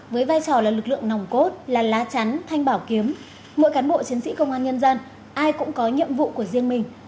với vai trò là lực lượng nòng cốt là lá chắn thanh bảo kiếm mỗi cán bộ chiến sĩ công an nhân dân ai cũng có nhiệm vụ của riêng mình